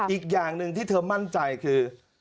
อีกอย่างหนึ่งที่เธอมั่นใจคือ